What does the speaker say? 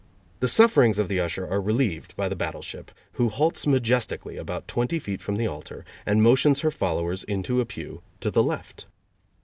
The sufferings of the usher are relieved by the battleship, who halts majestically about twenty feet from the altar, and motions her followers into a pew to the left.